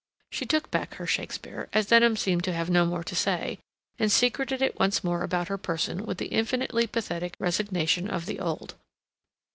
She took back her Shakespeare, as Denham seemed to have no more to say, and secreted it once more about her person with the infinitely pathetic resignation of the old.